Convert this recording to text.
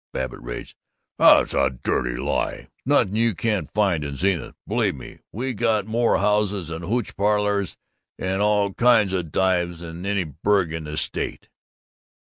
Babbitt raged, "That's a dirty lie! Snothin' you can't find in Zenith. Believe me, we got more houses and hootch parlors an' all kinds o' dives than any burg in the state."